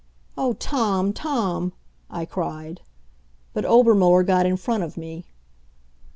"Oh, Tom Tom " I cried. But Obermuller got in front of me.